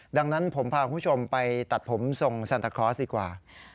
ดังนั้นผมพาคุณผู้ชมไปตัดผมทรงซันตาคลอสดีกว่า